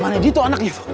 mana dia tuh anaknya tuh